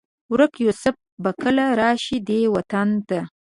ورک یوسف به کله؟ راشي دې وطن ته